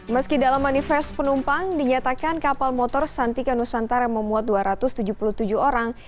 meski dalam manifest penumpang dinyatakan kapal motor santika nusantara yang memuat dua ratus tujuh puluh tujuh orang